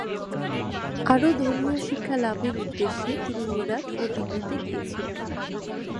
আরও ধর্মীয় শিক্ষা লাভের উদ্দেশ্যে তিনি মিরাট ও দিল্লিতে গিয়েছিলেন।